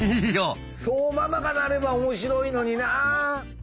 そうママがなれば面白いのにな。